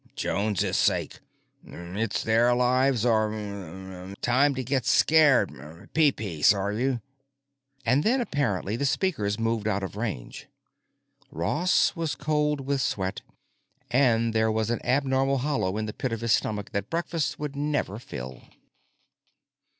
"——Jones's sake, it's their lives or mumble mumble time to get scared mumble Peepeece are you?" And then apparently the speakers moved out of range. Ross was cold with sweat, and there was an abnormal hollow in the pit of his stomach that breakfast would never fill.